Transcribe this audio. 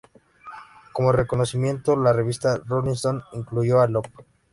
Como reconocimiento, la revista "Rolling Stone" incluyó a "Love.